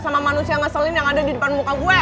sama manusia ngeselin yang ada di depan muka gue